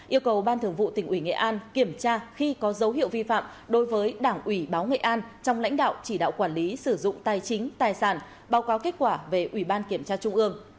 yêu cầu ban thường vụ tỉnh ủy nghệ an kiểm tra khi có dấu hiệu vi phạm đối với đảng ủy báo nghệ an trong lãnh đạo chỉ đạo quản lý sử dụng tài chính tài sản báo cáo kết quả về ủy ban kiểm tra trung ương